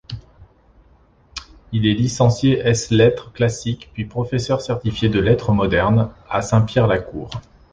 Il est licencié ès lettres classiques, puis professeur certifié de lettres modernes, à Saint-Pierre-la-Cour.